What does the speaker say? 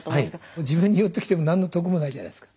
自分に寄ってきても何の得もないじゃないですか。